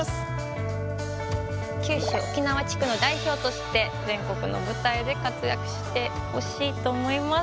九州沖縄地区の代表として全国の舞台で活躍してほしいと思います。